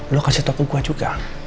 lu kasih tau ke gua juga